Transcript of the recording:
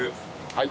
はい。